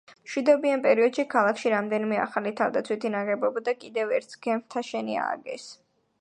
მშვიდობიან პერიოდში ქალაქში რამდენიმე ახალი თავდაცვითი ნაგებობა და კიდევ ერთს გემთსაშენი ააგეს.